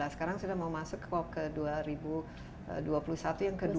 sekarang sudah mau masuk kok ke dua ribu dua puluh satu yang ke dua puluh enam